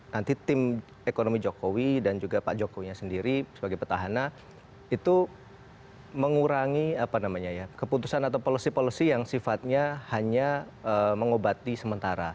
nanti tim ekonomi jokowi dan juga pak jokowi sendiri sebagai petahana itu mengurangi keputusan atau policy policy yang sifatnya hanya mengobati sementara